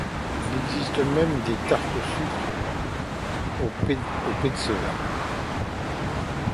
Il existe même des tartes au sucre aux pets de sœur.